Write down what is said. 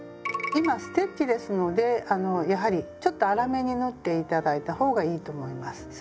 今ステッチですのでやはりちょっと粗めに縫って頂いた方がいいと思います。